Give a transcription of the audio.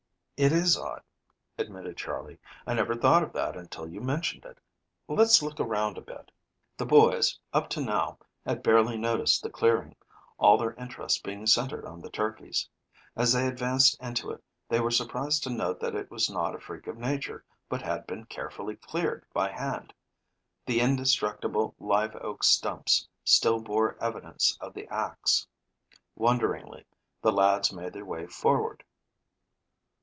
"It is odd," admitted Charley. "I never thought of that until you mentioned it. Let's look around a bit." The boys, up to now, had barely noticed the clearing, all their interest being centered on the turkeys. As they advanced into it they were surprised to note that it was not a freak of nature, but had been carefully cleared by hand. The indestructible live oak stumps still bore evidence of the axe. Wonderingly, the lads made their way forward.